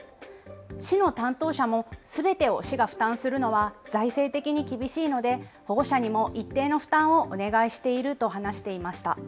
市の担当者も、すべてを市が負担するのは、財政的に厳しいので、保護者にも一定の負担をお願いしていると話していました。